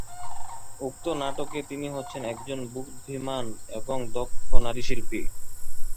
উক্ত নাটকে তিনি হচ্ছেন একজন বুদ্ধিমান এবং দক্ষ নারীশিল্পী।